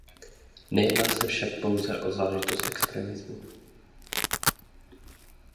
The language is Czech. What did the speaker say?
Nejedná se však pouze o záležitost extremismu.